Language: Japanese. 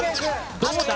どうだ？